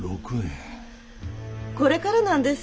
これからなんです。